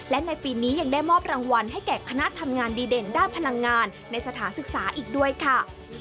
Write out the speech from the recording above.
และในปีนี้ยังได้มอบรางวัลให้แก่คณะทำงานดีเด่นด้านพลังงานในสถานศึกษาอีกด้วยค่ะ